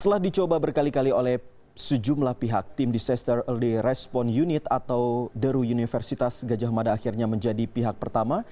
setelah dicoba berkali kali oleh sejumlah pihak tim disaster early response unit atau deru universitas gajah mada akhirnya menjadi pihak pertama